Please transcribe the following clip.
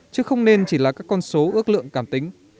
chứ không nên chỉ là các con số ước lượng cảm tính